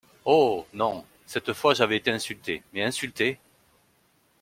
Oh ! non… cette fois, j’avais été insulté !… mais insulté !…